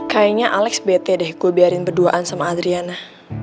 kayaknya alex bete deh gue biarin berduaan sama adriana